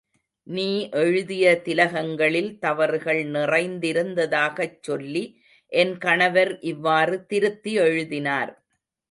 நீ எழுதிய திலகங்களில் தவறுகள் நிறைந்திருந்ததாகச் சொல்லி என் கணவர் இவ்வாறு திருத்தி எழுதினார்.